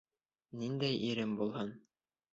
Ниндәй ирем булһын?